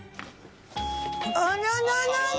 「あらららら。